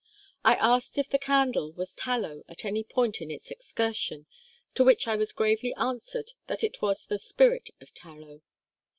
I asked if the candle was tallow at any point in its excursion, to which I was gravely answered that it was the spirit of tallow.